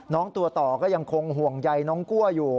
น้องตัวต่อก็ยังคงห่วงใยน้องกลัวอยู่